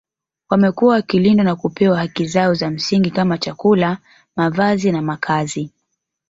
Wamekuwa wakilindwa na kupewa haki zao za msingi kama chakula mavazi na makazi